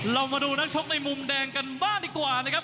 เรามาดูนักชกในมุมแดงกันบ้างดีกว่านะครับ